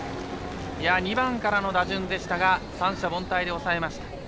２番からの打順でしたが三者凡退で抑えました。